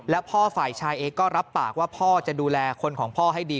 และพ่อฝ่ายชายเองก็รับปากว่าพ่อจะดูแลคนของพ่อให้ดี